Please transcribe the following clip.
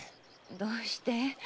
どうして？